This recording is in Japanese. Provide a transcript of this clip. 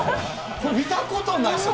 見たことないですよ。